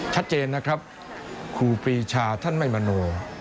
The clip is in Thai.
ชัดเจนนะครับครูปีชาท่านไม่มโน